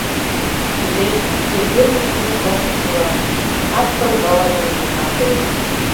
Шижеш, кузе кӧргышкыжӧ шокшо пура, кап-кыл ылыжын вийналтеш.